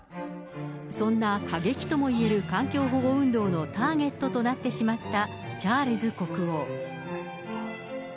そんな過激ともいえる環境保護運動のターゲットとなってしまったチャールズ国王。